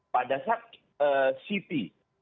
pada saat city